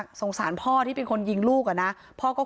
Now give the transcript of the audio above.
พระเจ้าที่อยู่ในเมืองของพระเจ้า